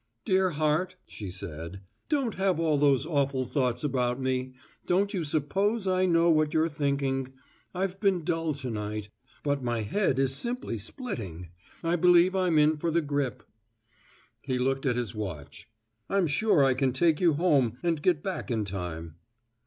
"Dear heart," she said, "don't have all those awful thoughts about me don't you suppose I know what you're thinking? I've been dull to night, but my head is simply splitting. I believe I'm in for the grip." He looked at his watch. "I'm sure I can take you home and get back in time."